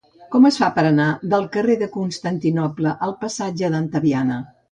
Com es fa per anar del carrer de Constantinoble al passatge d'Antaviana?